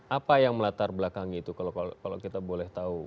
apa yang melatar belakangi itu kalau kita boleh tahu